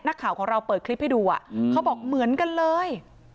นักข่าวของเราเปิดคลิปให้ดูเขาบอกเหมือนกันเลย